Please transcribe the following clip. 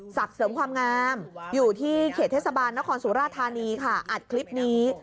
เสริมความงามอยู่ที่เขตเทศบาลนครสุราธานีค่ะอัดคลิปนี้